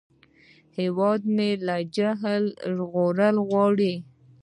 هیواد مې له جهل نه ژغورل غواړي